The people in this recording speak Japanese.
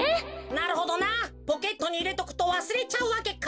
なるほどなポケットにいれとくとわすれちゃうわけか。